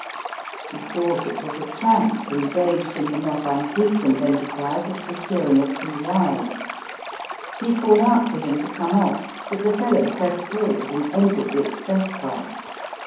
He thought it was a tramp engaged in the not unfrequent enter prise of securing a free ride. He called out to him to come off, but the fellow pressed forward and entered the express car.